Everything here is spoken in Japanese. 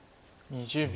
２０秒。